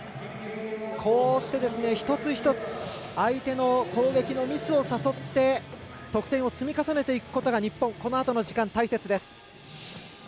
こうして、一つ一つ相手の攻撃のミスを誘って得点を積み重ねていくことが日本、このあとの時間、大切です。